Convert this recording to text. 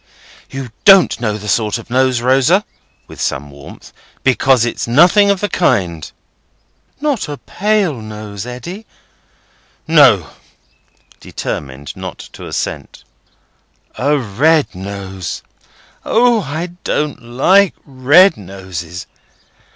"You don't know the sort of nose, Rosa," with some warmth; "because it's nothing of the kind." "Not a pale nose, Eddy?" "No." Determined not to assent. "A red nose? O! I don't like red noses.